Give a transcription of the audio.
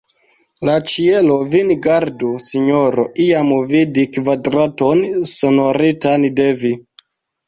La ĉielo vin gardu, sinjoro, iam vidi kadavron fasonitan de vi!